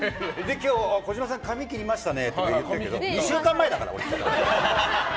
あと、児嶋さん髪切りましたねって言うけど２週間前だから。